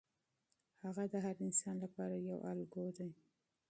هغه د هر انسان لپاره یو الګو دی.